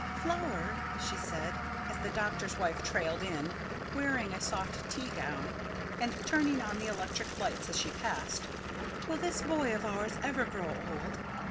Flower," she said, as the doctor's wife trailed in, wearing a soft tea gown, and turning on the electric lights as she passed, "will this boy of ours ever grow old?